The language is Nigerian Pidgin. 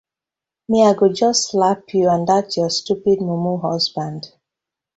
Mi I go just slap yu and dat yur stupid mumu husband.